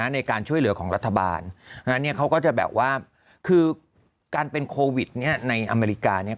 ในการช่วยเหลือของรัฐบาลเขาก็จะแบบว่าคือการเป็นโควิดในอเมริกาเนี่ย